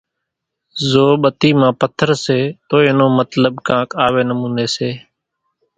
زو ٻتي مان پٿر سي تو اين نو مطلٻ ڪانڪ آوي نموني سي،